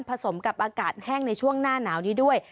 สมกับอากาศแห้งในช่วงหน้าหนาวนี้ด้วย